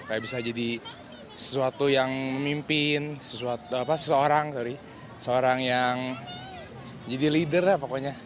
seperti bisa jadi sesuatu yang memimpin seorang yang jadi leader pokoknya